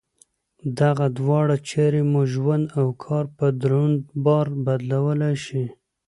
دغه دواړه چارې مو ژوند او کار په دروند بار بدلولای شي.